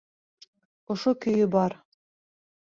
Ошо көйө бар.